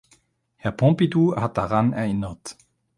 Herr Pompidou hat daran erinnert.